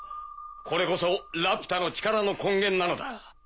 これこそラピュタの力の根源なのだ。